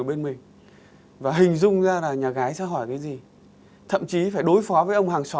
đánh gọng hoặc kính áp chồng